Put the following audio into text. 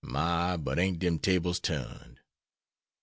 My! but ain't dem tables turned.